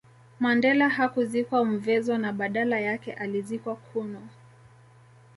Mandela hakuzikwa Mvezo na badala yake alizikwa Qunu